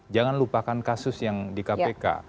jangan lupakan kasus yang di kpk